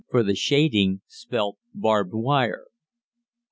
For the shading spelt barbed wire.